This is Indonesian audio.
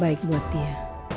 baik buat dia